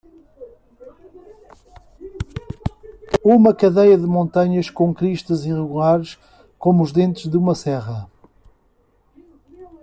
Uma cadeia de montanhas com cristas irregulares como os dentes de uma serra